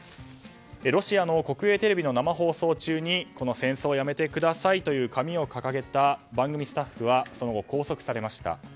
ロシアの国営テレビの生放送中に戦争をやめてくださいという紙を掲げた番組スタッフはその後、拘束されました。